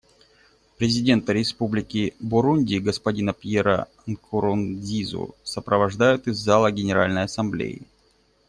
Президента Республики Бурунди господина Пьера Нкурунзизу сопровождают из зала Генеральной Ассамблеи.